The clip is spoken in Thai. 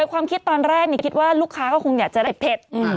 ความคิดตอนแรกคิดว่าลูกค้าก็คงอยากจะได้เผ็ด